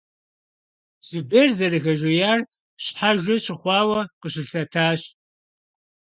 Зубер, зэрыхэжеяр щхьэжэ щыхъуауэ, къыщылъэтащ.